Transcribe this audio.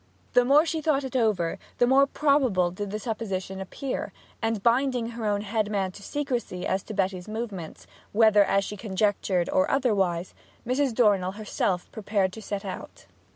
The more she thought it over the more probable did the supposition appear; and binding her own head man to secrecy as to Betty's movements, whether as she conjectured, or otherwise, Mrs. Dornell herself prepared to set out.